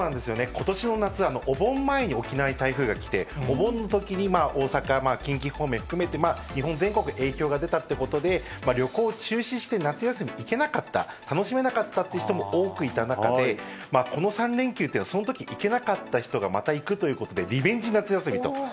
ことしの夏はお盆前に沖縄に台風が来て、お盆のときに大阪、近畿方面含めて、日本全国影響が出たってことで、旅行を中止して、夏休み行けなかった、楽しめなかったっていう人も多くいた中で、この３連休って、そのとき行けなかった人がまた行くということで、リベンジ夏休みと。